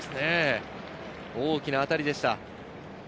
大きな当たりでした。